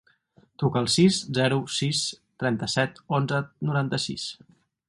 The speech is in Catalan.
Truca al sis, zero, sis, trenta-set, onze, noranta-sis.